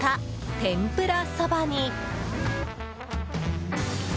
天ぷらそばに。